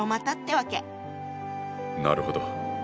なるほど。